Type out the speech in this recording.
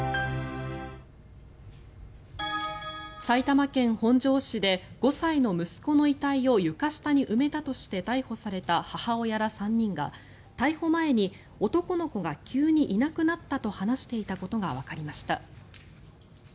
埼玉県本庄市で５歳の息子の遺体を床下に埋めたとして逮捕された母親ら３人が、逮捕前に男の子が急にいなくなったと話していたことがわかりました。